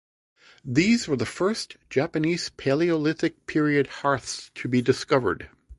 These were the first Japanese Paleolithic period hearths to be discovered.